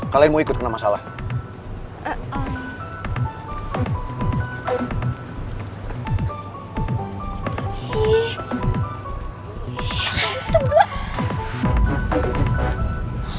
kalian mau ikut kenapa salah